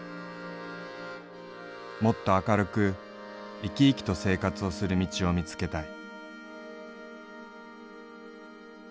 もっと明るく生き生きと生活をする道を見付けたい」。